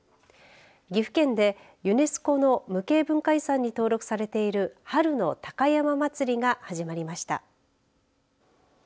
岐阜県でユネスコの無形文化遺産に登録されている春の高山祭が始まりました。